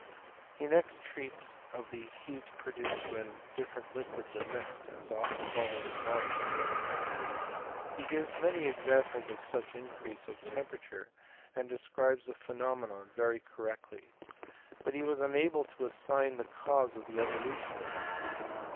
He next treats of the heat produced when different liquids are mixed, &a slcahol and water, 6k, He r HELMOST AWO THE lATRO CHE MISTS. 215 gives many examples of such increase of temperature, and describes tlie phenomena very correctly. But he was unable to assign the cause of the evolution of this heat.